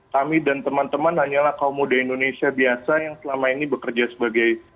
kami dan teman teman hanyalah kaum muda indonesia biasa yang selama ini bekerja sebagai